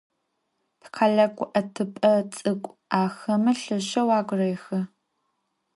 Tikhele gu'etıp'e ts'ık'u axeme lheşşeu agu rêhı.